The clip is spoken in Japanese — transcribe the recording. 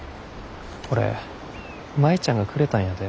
これ舞ちゃんがくれたんやで。